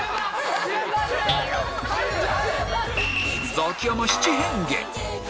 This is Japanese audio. ザキヤマ七変化